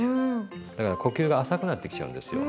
だから呼吸が浅くなってきちゃうんですよ。